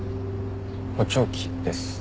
補聴器です。